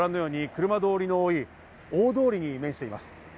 車通りの多い大通りに面しています。